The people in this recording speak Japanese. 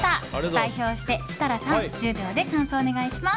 代表して、設楽さん１０秒で感想をお願いします。